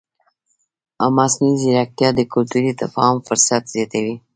مصنوعي ځیرکتیا د کلتوري تفاهم فرصت زیاتوي.